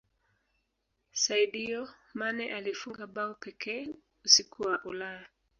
saidio mane alifunga bao pekee usiku wa ulaya